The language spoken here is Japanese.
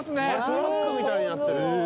トラックみたいになってる。